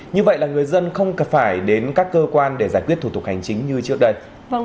như vậy là người dân không cần phải đến các cơ quan để giải quyết thủ tục hành chính như trước đây